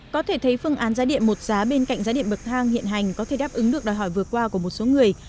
có thể thấy phương án giá điện một giá bên cạnh giá điện bậc thang hiện hành có thể đáp ứng được đòi hỏi vừa qua của một số người